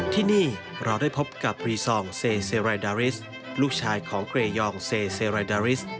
ที่นี่เราได้พบกับรีซองเซเซไรดาริสลูกชายของเกรยองเซเซไรดาริส